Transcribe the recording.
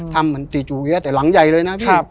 ทำเหมือนติจูเยี้ยแต่หลังใยเลย